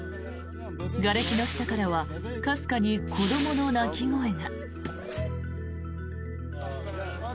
がれきの下からはかすかに子どもの泣き声が。